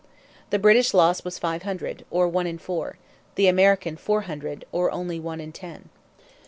The British loss was five hundred, or one in four: the American four hundred, or only one in ten.